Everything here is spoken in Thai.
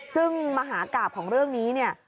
ซึ่งมหากราบของเรื่องนี้เนี่ย